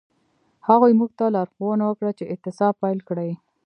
هغوی موږ ته لارښوونه وکړه چې اعتصاب پیل کړئ.